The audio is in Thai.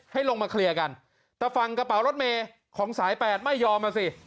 ให้ลงมาเคลียร์กันแต่ฝั่งกระเป๋ารถเมย์ของสายแปดไม่ยอมอ่ะสิ